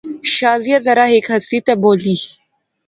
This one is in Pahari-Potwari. شازیہ ذرا ہیک ہسی تے بولی